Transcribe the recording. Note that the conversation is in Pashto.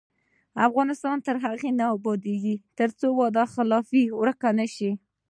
افغانستان تر هغو نه ابادیږي، ترڅو وعده خلافي ورکه نشي.